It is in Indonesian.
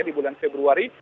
di bulan februari